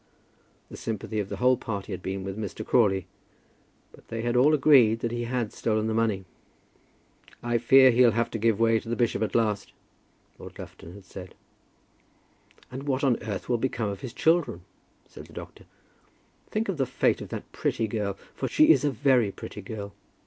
The sympathy of the whole party had been with Mr. Crawley; but they had all agreed that he had stolen the money. "I fear he'll have to give way to the bishop at last," Lord Lufton had said. "And what on earth will become of his children?" said the doctor. "Think of the fate of that pretty girl; for she is a very pretty girl.